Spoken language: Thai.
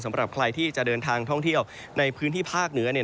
สำหรับใครที่จะเดินทางท่องเที่ยวในพื้นที่ภาคเหนือ